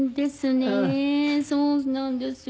そうなんですよ。